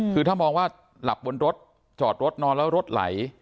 คือถ้ามองว่าหลับบนรถจอดรถนอนแล้วรถไหล